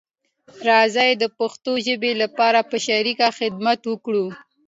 راځی د پښتو ژبې لپاره په شریکه خدمت وکړو